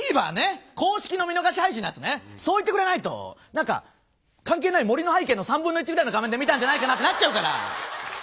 何か関係ない森の背景の３分の１ぐらいの画面で見たんじゃないかなってなっちゃうから！